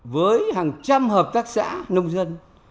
với hàng trăm hợp tác xã nông dân